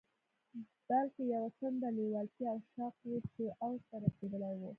بلکې يوه تنده، لېوالتیا او شوق و چې اوج ته رسېدلی و.